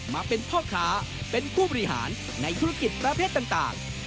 มาเป็นพ่อค้าเป็นผู้บริหารในธุรกิจประเภทต่าง